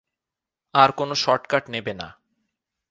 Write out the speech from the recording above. আর কোন শর্টকাট নেবে না।